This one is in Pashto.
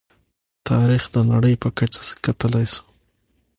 تاریخ د نړۍ په کچه کتلی شو.